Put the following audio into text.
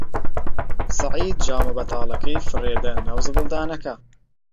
سەعید جامە بەتاڵەکەی فڕێ دا ناو زبڵدانەکە.